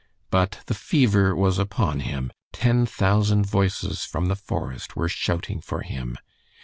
But the fever was upon him, ten thousand voices from the forest were shouting for him.